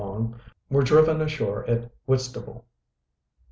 long were driven ashore at Whitstable.